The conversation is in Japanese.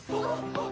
あっ！